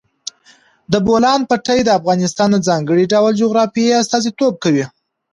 د بولان پټي د افغانستان د ځانګړي ډول جغرافیه استازیتوب کوي.